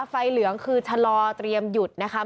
เหลืองคือชะลอเตรียมหยุดนะคะ